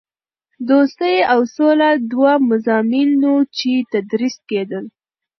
دوستي او سوله دوه مضامین وو چې تدریس کېدل.